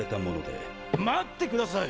待ってください！